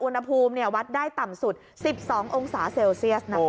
อุณหภูมิวัดได้ต่ำสุด๑๒องศาเซลเซียสนะคะ